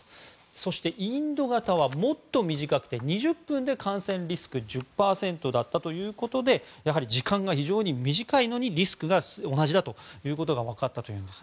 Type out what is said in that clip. そして、インド型はもっと短くて２０分で感染リスクが１０％だったということでやはり時間が非常に短いのにリスクが同じということが分かったということです。